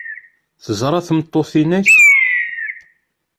Teẓra tmeṭṭut-nnek?